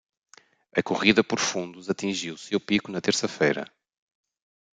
A corrida por fundos atingiu seu pico na terça-feira.